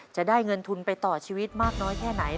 จะได้เงินทุนไปต่อชีวิตมากน้อยแค่ไหน